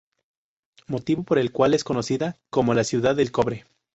Motivo por el cual es conocida como "La ciudad del cobre".